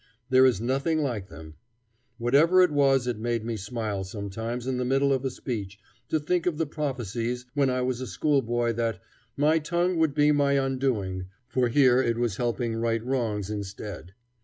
There is nothing like them. Whatever it was, it made me smile sometimes in the middle of a speech to think of the prophecies when I was a schoolboy that "my tongue would be my undoing" for here it was helping right wrongs instead.